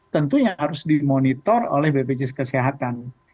tentunya harus dimonitor oleh bpjs kesehatan